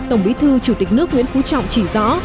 tổng bí thư chủ tịch nước nguyễn phú trọng chỉ rõ